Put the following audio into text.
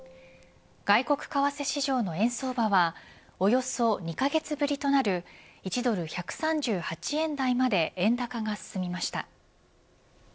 外国為替市場の円相場はおよそ２カ月ぶりとなる１ドル１３８円台まで円高が進みました。